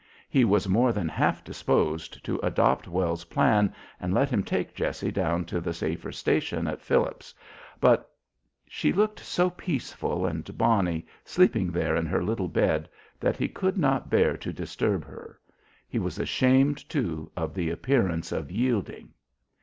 He was more than half disposed to adopt Wells's plan and let him take Jessie down to the safer station at Phillips's, but she looked so peaceful and bonny, sleeping there in her little bed, that he could not bear to disturb her. He was ashamed, too, of the appearance of yielding.